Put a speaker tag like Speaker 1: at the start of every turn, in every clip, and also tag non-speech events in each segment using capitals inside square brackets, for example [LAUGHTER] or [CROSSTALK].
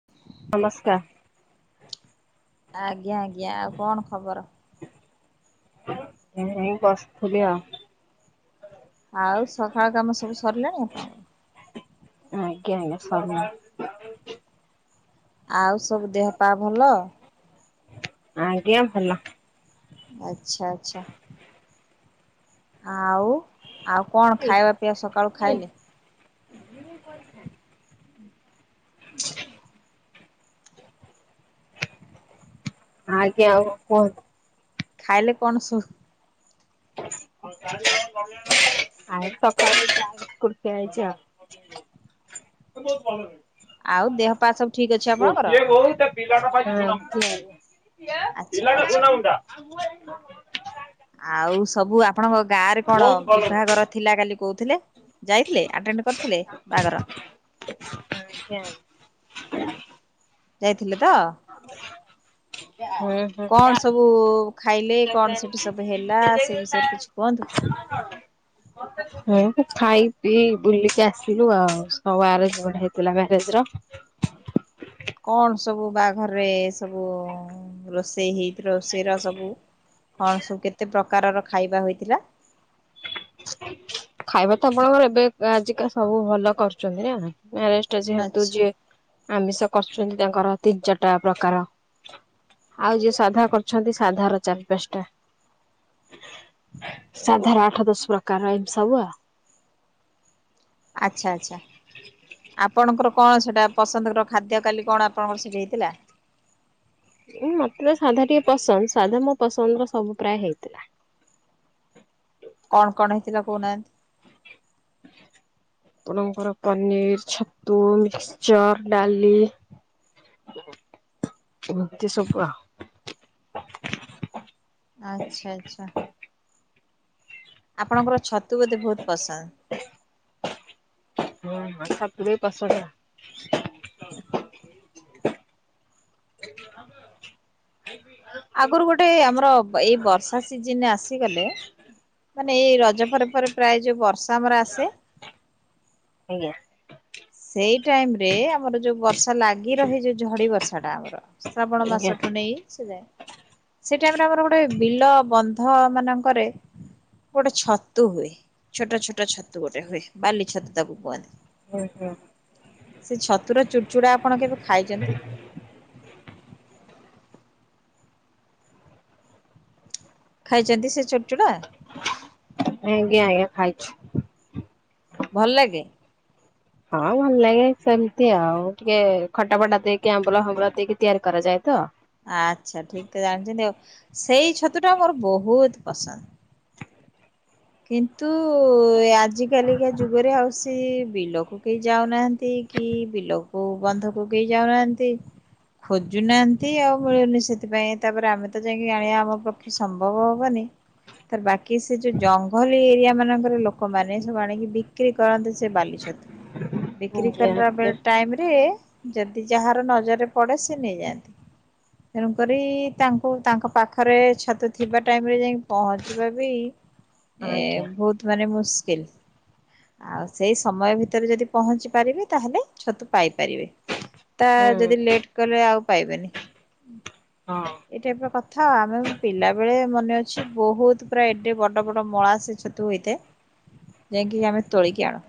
Speaker 1: [INAUDIBLE]
Speaker 2: ନମସ୍କାର।
Speaker 1: ଆଜ୍ଞା ଆଜ୍ଞା ଆଉ କଣ ଖବର?
Speaker 2: ଏ ବସ୍ ଥିଲି ଆଉ।
Speaker 1: ଆଉ ସକାଳ କାମ ସବୁ ସରିଲାଣି ଆପଣଙ୍କ?
Speaker 2: ଆଜ୍ଞା ଆଜ୍ଞା ସରିନି।
Speaker 1: ଆଉ ସବୁ ଦେହ ପାହ ଭଲ?
Speaker 2: ଆଜ୍ଞା ଭଲ।
Speaker 1: ଆଚ୍ଛା ଆଛା। ଆଉ ଆଉ କଣ ଖାଇବା ପିଇବା ସକାଳୁ ଖାଇଲେ?
Speaker 2: [INAUDIBLE] ଆଜ୍ଞା ଆଉ କନ୍ କୁହନ୍ତୁ?
Speaker 1: ଖାଇଲେ କଣ ସୂ
Speaker 2: ଆ ସକାଳୁ ଚା ବିସ୍କୁଟ୍ ଖିଆ ହେଇଛି ଆଉ।
Speaker 1: ଆଉ ଦେହ ପା ସବୁ ଠିକ୍ ଅଛି
Speaker 2: [INAUDIBLE]
Speaker 1: ଆପଣଙ୍କର?
Speaker 2: ଗୋଟିଏ ବୋଉ ତା ପିଲାଟା ପାଇଁ
Speaker 1: ଆଚ୍ଛା ଆଚ୍ଛା
Speaker 2: [UNINTELLIGIBLE] [UNINTELLIGIBLE]
Speaker 1: ଆଉ ସବୁ ଆପଣଙ୍କ ଗାଁ ରେ କଣ
Speaker 2: ବହୁତ ଭଲ।
Speaker 1: ବିଭାଘର ଥିଲା କାଲି କୋଉ ଥିଲେ ଯାଇଥିଲେ ଆଟେଣ୍ଡ କରିଥିଲେ ବାହାଘର?
Speaker 2: [INAUDIBLE]
Speaker 1: ଯାଇଥିଲେ ତ?
Speaker 2: ହୁଏ। [UNINTELLIGIBLE]
Speaker 1: କଣ
Speaker 2: [INAUDIBLE]
Speaker 1: ସବୁ
Speaker 2: ହଁ
Speaker 1: ଖାଇଲେ କଣ ସେଠି
Speaker 2: ଖାଇ
Speaker 1: ସବୁ ହେଲା
Speaker 2: ପିଇ
Speaker 1: ସେ ବିଷୟରେ କିଛି
Speaker 2: ବୁଲିକି
Speaker 1: କୁହନ୍ତୁ?
Speaker 2: ଆସିଲୁ ଆଉ ସବୁ ଆରେଞ୍ଜ୍ ମେଟ୍ ହେଇଥିଲା ମ୍ୟାରେଜ ର।
Speaker 1: କଣ ସବୁ ବାହାଘରେ ସବୁ ରୋଷେଇ ହେଇ ରୋଷେଇ ର ସବୁ କଣ ସବୁ କେତେ ପ୍ରକାରର ଖାଇବା ହେଇଥିଲା?
Speaker 2: ଖାଇବା ତ ଆପଣଙ୍କର ଏବେ ଆଜିକା ସବୁ ଭଲ କରୁଛନ୍ତି ନା ମ୍ୟାରେଜ୍ ଟା ଯେହେତୁ
Speaker 1: ଆଚ୍ଛା।
Speaker 2: ଯିଏ ଆମିଷ କରୁଛନ୍ତି ତାଙ୍କର ତ୍ରିଯାଟା ପ୍ରକାର। ଆଉ ଯିଏ ସାଧା କରୁଛନ୍ତି ସାଧାର ଚାରି ପାଞ୍ଚଟା। ସାଧାର ଆଠ ଦଶ ପ୍ରକାର ଏମିତି ସବୁ ଆଉ।
Speaker 1: ଆଚ୍ଛା ଆଚ୍ଛା। ଆପଣଙ୍କର କଣ ସେଇଟା ପସନ୍ଦ ର ଖାଦ୍ୟ କାଲି କଣ ଆପଣଙ୍କର ସେଇଠି ହେଇଥିଲା?
Speaker 2: ଉଁ ମତେ ତ ସାଧା ଟିକେ ପସନ୍ଦ ସାଧା ମୋ ପସନ୍ଦର ସବୁ ପ୍ରାୟ ହେଇଥିଲା।
Speaker 1: କଣ କଣ ହେଇଥିଲା କହୁନାହାନ୍ତି?
Speaker 2: [INAUDIBLE] ଆପଣଙ୍କର ପନିର ଛତୁ ମିକ୍ଚର ଡାଲି ଏମିତି ସବୁ ଆଉ।
Speaker 1: ଆଛା ଆଛା। ଆପଣଙ୍କର ଛତୁ ବୋଧେ ବହୁତ ପସନ୍ଦ?
Speaker 2: [INAUDIBLE] ହଁ ସପରେ ପସ ଟା [UNINTELLIGIBLE]
Speaker 1: ଆଗରୁ ଗୋଟେ ଆମର ଏଇ ବର୍ଷା ସିଜିନି ଆସିଗଲେ ମାନେ ଏଇ ରଜ ପରେ ପରେ ପ୍ରାୟ ଯୋଉ ବର୍ଷା ଆମର ଆସେ
Speaker 2: ଆଜ୍ଞା।
Speaker 1: ସେଇ ଟାଇମ ରେ ଆମର ଯୋଉ ବର୍ଷା ଲାଗି ରହେ ଯୋଉ ଝଡି ବର୍ଷା ଟା ଆମର। ଶ୍ରାବଣ
Speaker 2: ଆଜ୍ଞା
Speaker 1: ମାସଠୁ ନେଇ ସେ ଯାଏ। ସେ ଟାଇମରେ ଆମର ଗୋଟେ ବିଲ ବନ୍ଧ ମାନଙ୍କରେ ଗୋଟେ ଛତୁ ହୁଏ ଛୋଟ ଛୋଟ ଛତୁ ଗୋଟେ ହୁଏ ବାଲି ଛତୁ ତାକୁ କୁହନ୍ତି।
Speaker 2: ହୁଁ ହୁଁ।
Speaker 1: ସେ ଛତୁର ଚୁଡ଼ଚୁଡ଼ା ଆପଣ କେବେ ଖାଇଛନ୍ତି? ଖାଇଛନ୍ତି ସେ ଚୁଡଚୁଡ଼ା?
Speaker 2: ଆଜ୍ଞା ଆଜ୍ଞା ଖାଇଛି।
Speaker 1: ଭଲ ଲାଗେ?
Speaker 2: ହଁ ଭଲ ଲାଗେ ସେମିତି ଆଉ ଟିକେ ଖଟା ଫଟା ଦେଇକି ଆମ୍ବୁଳ ଫାମ୍ୱୁଲ ଦେଇକି ତିଆରି କରାଯାଏ ତ।
Speaker 1: ଆଚ୍ଛା ଠିକ ତ ଜାଣିଛନ୍ତି ଆଉ। ସେଇ ଛତୁ ଟା ମୋର ବହୁତ ପସନ୍ଦ। କିନ୍ତୁ ଆଜିକାଲିକା ଯୁଗରେ ଆଉ କିନ୍ତୁ ବିଲକୁ କେହି ଯାଉନାହାନ୍ତି କି ବିଲକୁ ବନ୍ଧକୁ କେହି ଯାଉନାହାନ୍ତି। ଖୋଜୁନାହାନ୍ତି ଆଉ ମିଳୁନି ସେଥିପାଇଁ ତାପରେ ଆମେ ତ ଯାଇକି ଆାଣିବା ଆମ ପକ୍ଷେ ସମ୍ଭବ ହବନି। ତାର ବାକି ସେ ଯୋଉ ଜଙ୍ଗଲି ଏରିଆ ମାନଙ୍କର ଲୋକମାନେ ସବୁ ଆଣିକି ବିକି ବିକ୍ରି କରନ୍ତି ସେ ବାଲି ଛତୁ ବିକ୍ରି
Speaker 2: ଆଜ୍ଞା
Speaker 1: କଲା
Speaker 2: ଆଜ୍ଞା।
Speaker 1: ବେଳେ ଟାଇମୀରେ ଯଦି ଯାହାର ନଜରରେ ପଡେ ସେ ନେଇଯାଆନ୍ତି।
Speaker 2: [INAUDIBLE]
Speaker 1: ତେଣୁକରି ତାଙ୍କୁ ତାଙ୍କ ପାଖରେ ଛତୁ ଥିବା ଟାଇମରେ ଯାଇକି ପହଞ୍ଚିବା ବି ଏ
Speaker 2: ଆଜ୍ଞା
Speaker 1: ବହୁତ ମାନେ ମୁସ୍କିଲ। ଆଉ ସେଇ ସମୟ ଭିତରେ ଯଦି ପହଞ୍ଚି ପାରିବେ ତାହେଲେ ଛତୁ ପାଇପାରିବେ। ତା
Speaker 2: ହୁଁ
Speaker 1: ଯଦି ଲେଟ୍ କଲେ ଆଉ ପାଇବେନି,
Speaker 2: ହଁ।
Speaker 1: ଏ [UNINTELLIGIBLE] କଥା ଆମେ ପିଲା ବେଳେ ମନେ ଅଛି ବୋହୁତ ପ୍ରାୟ ଏଡେ ବଡ ବଡ ପୁରା ମଳା ସେ ଛତୁ ହୋଇଥାଏ ଯାଇକି ଆମେ ତୋଳିକି ଆଣୁ।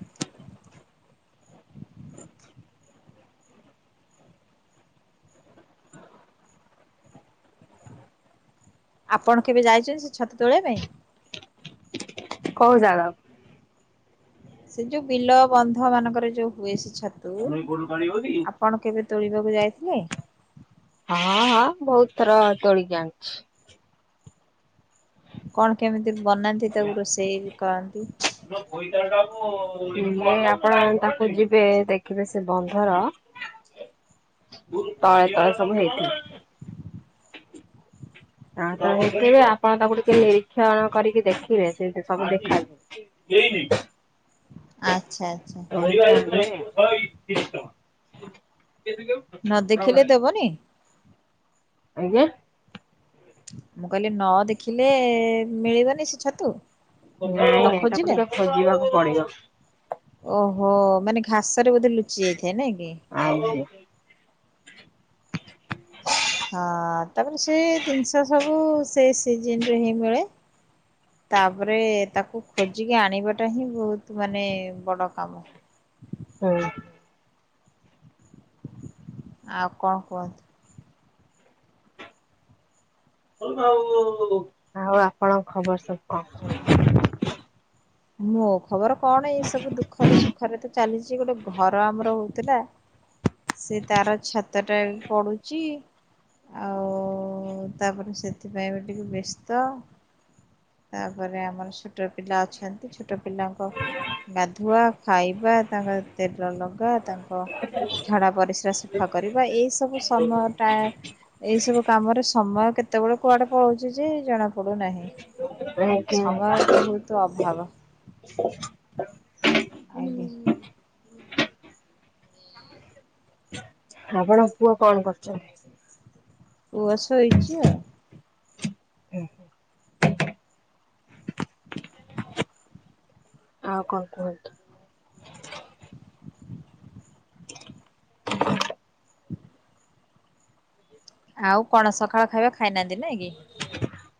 Speaker 2: [INAUDIBLE]
Speaker 1: ଆପଣ କେବେ ଯାଇଛନ୍ତି ସେ ଛତୁ ତୋଳିବା ପାଇଁ?
Speaker 2: କୋଉ [UNINTELLIGIBLE]
Speaker 1: ସେ ଯୋଉ ବିଲ ବନ୍ଧ ମାନଙ୍କର ଯୋଉ ହୁଏ ସେ ଛତୁ,
Speaker 2: ହଁ
Speaker 1: ଆପଣ କେବେ ତୋଳିବାକୁ ଯାଇଥିଲେ?
Speaker 2: ହଁ ହଁ ବୋହୁତ ଥର ତୋଳିକି ଆଣିଚି।
Speaker 1: କଣ କେମିତି ବନାନ୍ତି
Speaker 2: ହେଲେ
Speaker 1: ତାକୁ ରୋଷେଇ କରନ୍ତି।
Speaker 2: ଆପଣ ତାକୁ ଯିବେ ଦେଖିବେ ସେ ବନ୍ଧର ତଳେ ତଳେ ସବୁ ହେଇଥାଏ। ହଁ ତ ହେଇଥିବେ ଆପଣ ତାକୁ ଟିକେ ନିରୀକ୍ଷଣ କରିକି ଦେଖିବେ ସେ ସବୁ ଦେଖେ
Speaker 1: ଆଚ୍ଛା ଆଚ୍ଛା
Speaker 2: [UNINTELLIGIBLE] [UNINTELLIGIBLE]
Speaker 1: ନଦେଖିଲେ ଦବନି।
Speaker 2: [UNINTELLIGIBLE]
Speaker 1: ମୁଁ କହିଲି ନ ଦେଖିଲେ ମିଳିବନି ସେ ଛତୁ?
Speaker 2: ନାଇଁ
Speaker 1: ନ
Speaker 2: ନାଇଁ ତାକୁ
Speaker 1: ଖୋଜିଲେ?
Speaker 2: ଟିକେ ଖୋଜିବାକୁ ପଡିବ।
Speaker 1: ଓହୋ ମାନେ ଘାସରେ ବୋଧେ ଲୁଚି ଯାଇଥାଏ ନାଇ କି?
Speaker 2: [UNINTELLIGIBLE]
Speaker 1: ହଁ ତାପରେ ସେ ଜିନିଷ ସବୁ ସେ ସିଜିନ ରେ ହିଁ ମିଳେ। ତାପରେ ତାକୁ ଖୋଜିକି ଆଣିବାଟା ହିଁ ବୋହୁତ ମାନେ ବଡ଼ କାମ।
Speaker 2: [INAUDIBLE]
Speaker 1: ଆଉ କଣ କୁହନ୍ତୁ?
Speaker 2: ଆଉ ଆପଣଙ୍କର ଖବର ସବୁ କଣ?
Speaker 1: ମୋ ଖବର କଣ ଏଇ ସବୁ ଦୁଃଖରେ ସୁଖରେ ତ ଚାଲିଚି, ଗୋଟେ ଘର ଆମର ହୋଉଥିଲା ସେ ତାର ଛାତ ଟା ବି ପଡୁଚି। ଆଉ ତାପରେ ସେଥିପାଇଁ ବି ଟିକେ ବ୍ୟସ୍ତ। ତାପରେ ଆମର ଛୋଟ ପିଲା ଅଛନ୍ତି ଛୋଟ ପିଲାଙ୍କ ଗାଧୁଆ ଖାଇବା ତାଙ୍କର ତେଲ ଲଗା ତାଙ୍କ ଝଡ଼ା ପରିସ୍ରା ସଫା କରିବା ଏଇସବୁ ସମୟଟା ଏଇ ସବୁ କାମରେ ସମୟ କେତେବେଳେ କୁଆଡେ ପଳଉଛି ଯେ ଜଣା ପଡୁନାହିଁ।
Speaker 2: ଆଜ୍ଞା
Speaker 1: ସମୟ ବୋହୁତ ଅଭାବ ଅଇନେ।
Speaker 2: [UNINTELLIGIBLE] ପୁଅ କଣ କରୁଛନ୍ତି?
Speaker 1: ପୁଅ ସୋଇଛି।
Speaker 2: ହୁଁ ଆଉ କଣ କୁହନ୍ତୁ?
Speaker 1: ଆଉ କଣ ସକାଳ ଖାଇବା ଖାଇନାହାନ୍ତି ନାଇଁ କି?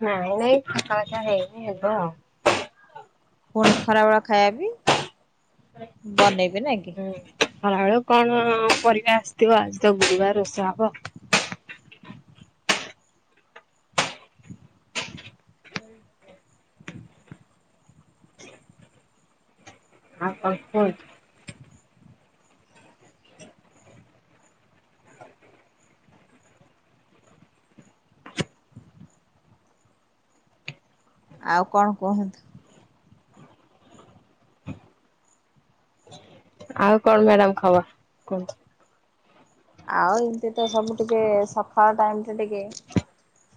Speaker 2: ନାଇଁ ନାଇଁ ସକାଳ ଖିଆ ହେଇନି ହବ ଆଉ।
Speaker 1: ପୁଣି ଖରାବେଳ ଖାଇବା ବି ବନେଇବେ ନା କି?
Speaker 2: ହୁଁ, ଖରାବେେଳୁ କଣ ପରିବା ଆସିଥିବ ଆଜି ତ ଗୁରୁବାର ରୋଷେଇ [UNINTELLIGIBLE] [UNINTELLIGIBLE]
Speaker 1: ଆଉ କଣ କୁହନ୍ତୁ?
Speaker 2: ଆଉ କଣ ମ୍ୟାଡାମ ଖବର କୁହନ୍ତୁ?
Speaker 1: ଆଉ ଏମତି ତ ସବୁ ଟିକେ ସକାଳ ଟାଇମ୍ ଟା ଟିକେ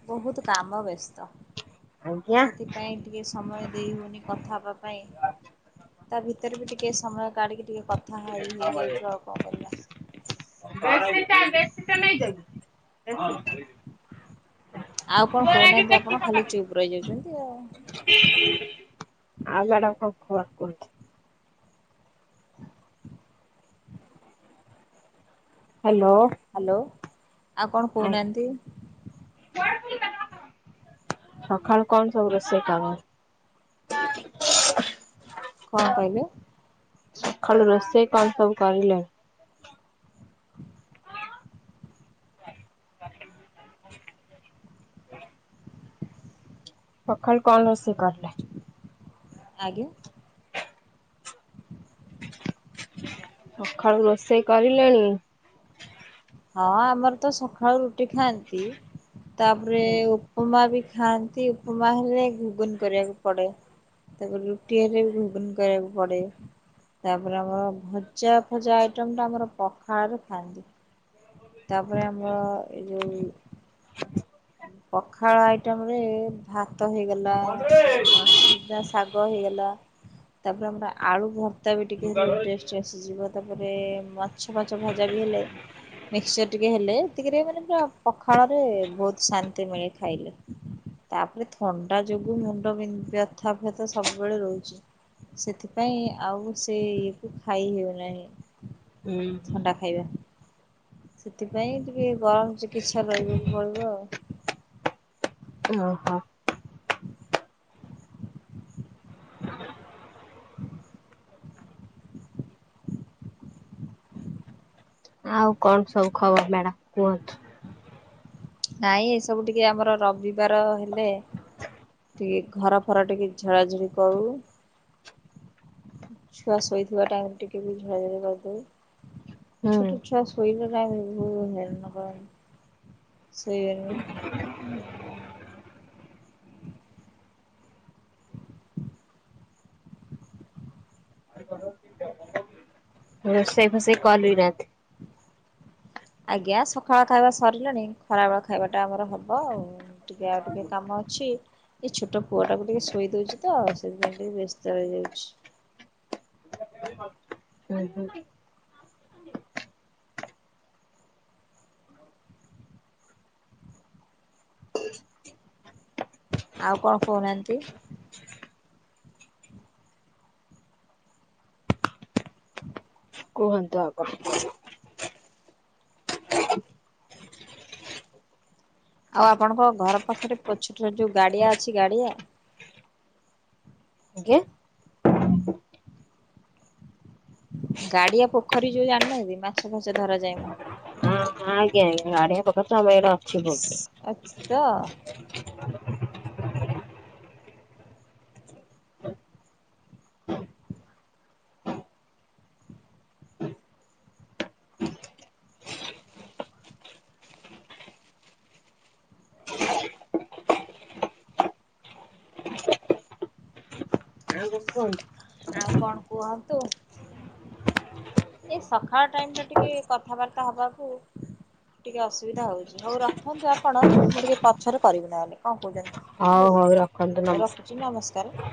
Speaker 1: ବହୁତ କାମ ବ୍ୟସ୍ତ ସେଥି ପାଇଁ ଟିକେ ସମୟ ଦେଇ ହେଉନି କଥା ହେବା ପାଇଁ। ତା ଭିତରେ ବି ଟିକେ ସମୟ କାଢିକି ଟିକେ କଥା ହେଇ ହେଇଯାଉଛୁ ଆଉ କଣ କରିବା।
Speaker 2: [INAUDIBLE]
Speaker 1: ଆଉ କଣ କହୁନାହାନ୍ତି ଆପଣ ଖାଲି ଚୁପ୍ ରହିଯାଉଛନ୍ତି ଆଉ।
Speaker 2: [INAUDIBLE] ଆଉ ମ୍ୟଡମ୍ କଣ ଖବର କୁହନ୍ତୁ। ହ୍ୟାଲୋ।
Speaker 1: ହ୍ୟାଲୋ ଆଉ କଣ
Speaker 2: ଆ
Speaker 1: କହୁନାହାନ୍ତି।
Speaker 2: ସକାଳୁ କଣ ସବୁ ରୋଷେଇ କାମ
Speaker 1: କଣ କହିଲେ।
Speaker 2: ସକାଳୁ ରୋଷେଇ କଣ ସବୁ କରିଲେ। ସଖାଳୁ କଣ ରୋଷେଇ କଲେ।
Speaker 1: ଆଜ୍ଞା।
Speaker 2: ସକାଳୁ ରୋଷେଇ କରିଲେଣି।
Speaker 1: ହଁ ଆମର ତ ସକାଳୁ ରୁଟି ଖାଆନ୍ତି। ତାପରେ
Speaker 2: ହୁଁ
Speaker 1: ଉପମା ବି ଖାଆନ୍ତି ଉପମା ହେଲେ ଘୁଗୁନି କରିବାକୁ ପଡେ। ତାପରେ ରୁଟି ହେଲେ ବି ଘୁଗୁନି କରିବାକୁ ପଡେ। ତାପରେ ଆମର ଭଜା ଫଜା ଆଇଟମ୍ଟା ଆମର ପଖାଳରେ ଖାଆନ୍ତି! ତାପରେ ଆମର ଏଇ ଯୋଉ ପଖାଳ ଆଇଟମ ରେ ଭାତ ହେଇଗଲା ଆମର ସୁଜନା ଶାଗ ହେଇଗଲା। ତାପରେ ଆମର ଆଳୁ ଭର୍ତା ବି ଟିକେ ହେଲେ ଟେଷ୍ଟ ଆସେ ଯିବ ତାପରେ ମାଛ ଫାଛ ଭଜା ବି ହେଲେ ମିକ୍ସଚର ଟିକେ ହେଲେ ଏତିକରେ ମାନେ ପୁରା ପଖାଳ ରେ ବହୁତ ଶାନ୍ତି ମିଳେ ଖାଇଲେ। ତାପରେ ଥଣ୍ଡା ଯୋଗୁ ମୁଣ୍ଡ ବି ବ୍ୟଥାବଥା ସବୁବେଳେ ରହୁଚି। ସେଥିପାଇଁ ଆଉ ସେ ଇଏକୁ ଖାଇ ହେଉନାହିଁ! ଥଣ୍ଡା ଖାଇବା। ସେଥିପାଇଁ ଟିକେ ଗରମ ଚିକିତ୍ସା ରହିବାକୁ ପଡିବ ଆଉ।
Speaker 2: ଓହୋ।
Speaker 1: ହୁଁ!
Speaker 2: ଆଉ କଣ ସବୁ ଖବର ମ୍ୟାଡାାମ କୁହନ୍ତୁ।
Speaker 1: ନାଇଁ ଏସବୁ ଟିକେ ଆମର ରବିବାର ହେଲେ ଟିକେ ଘର ଫର ଟିକେ ଝଡ଼ାଝଡ଼ି କରୁ! ଛୁଆ ଶୋଇଥିବା ଟାଇମ୍ ରେ ଟିକେ ବି ଝଡ଼ାଝଡି କରିଦଉ।
Speaker 2: ହୁଁ।
Speaker 1: ଛୋଟ ଛୁଆ ଶୋଇବା ଟାଇମ୍ ବହୁତ୍ ହଇରାଣ କରନ୍ତି। ସେଇଆ ନୁହେଁକି
Speaker 2: [INAUDIBLE] ରୋଷେଇ ଫଷେଇ କଲିନାହାନ୍ତି।
Speaker 1: ଆଜ୍ଞା ସକାଳ ଖାଇବା ସରିଲେଣି ଖରାବେେଳ ଖାଇବାଟା ଆମର ହବ ଆଉ। ଟିକେ ଆଉ ଟିକେ କାମ ଅଛି। ଏଇ ଛୋଟ ପୁଅ ଟାକୁ ଟିକେ ଶୋଇ ଦଉଛି ତ ସେଥିପାଇଁ ଟିକେ ବ୍ୟସ୍ତ ରହିଯାଉଛି।
Speaker 2: ହୁଁ ହୁଁ।
Speaker 1: ଆଉ କଣ କହୁନାହାନ୍ତି।
Speaker 2: କୁହନ୍ତୁ ଆପଣ।
Speaker 1: ଆଉ ଆପଣଙ୍କ ଘର ପାଖରେ ପଛ ଟରେ ଯୋଉ ଗାଡ଼ିଆ ଅଛି ଗାଡ଼ିଆ।
Speaker 2: ଆଜ୍ଞା
Speaker 1: ଗାଡିଆ ପୋଖରୀ ଯୋଉ ଜାଣିନାହାନ୍ତି ମାଛ ଫାଛ ଧରା ଯାଏ ମ।
Speaker 2: ହଁ ଆଜ୍ଞା ଆଜ୍ଞା ଗାଡିଆ ପୋଖରୀ ତ ଆମ ଏଇରା
Speaker 1: ଅଛି ତ। ଆଉ କଣ କୁହନ୍ତୁ? ଏ ସକାଳ ଟାଇମ ଟା ଟିକେ କଥାବାର୍ତ୍ତା ହବାକୁ ଟିକେ ଅସୁବିଧା ହଉଛି ହଉ ରଖନ୍ତୁ ଆପଣ ମୁଁ ଟିକେ ପଛରେ କରିବି ନହେଲେ, କଣ କହୁଛନ୍ତି?
Speaker 2: ହଉ ହଉ। ରଖନ୍ତୁ
Speaker 1: ହଉ
Speaker 2: ନମସ୍କାର।
Speaker 1: ରଖୁଛି ନମସ୍କାର।